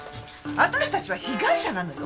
私たちは被害者なのよ？